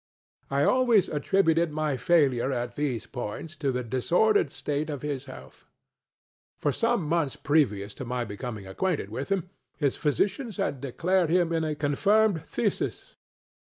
I always attributed my failure at these points to the disordered state of his health. For some months previous to my becoming acquainted with him, his physicians had declared him in a confirmed phthisis.